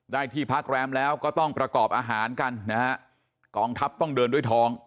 ที่พักแรมแล้วก็ต้องประกอบอาหารกันนะฮะกองทัพต้องเดินด้วยท้อง